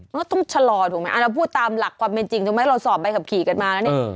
ก็ต้องชะลอถูกไหมเราพูดตามหลักความเป็นจริงถูกไหมเราสอบใบขับขี่กันมาแล้วเนี่ย